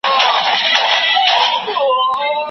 بریا امید زیاتوي.